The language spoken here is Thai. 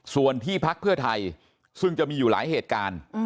ส่วนที่พักเพื่อไทยซึ่งจะมีอยู่หลายเหตุการณ์